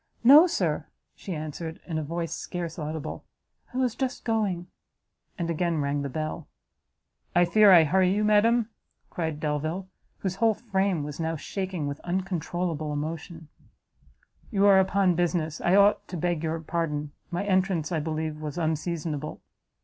"No, Sir," she answered, in a voice scarce audible, "I was just going." And again rang the bell. "I fear I hurry you, madam?" cried Delvile, whose whole frame was now shaking with uncontrollable emotion; "you are upon business I ought to beg your pardon my entrance, I believe, was unseasonable."